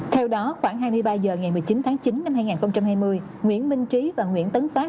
theo đó khoảng hai mươi ba h ngày một mươi chín tháng chín năm hai nghìn hai mươi nguyễn minh trí và nguyễn tấn phát